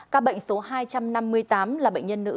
các bệnh số hai trăm năm mươi tám là bệnh nhân nữ